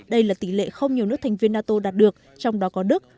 đây là tỷ lệ không nhiều nước thành viên nato đạt được trong đó có đức